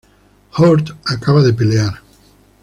Hurd acaba de pelear.